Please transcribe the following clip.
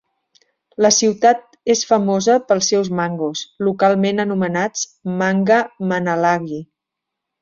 La ciutat és famosa pels seus mangos, localment anomenats "mangga manalagi".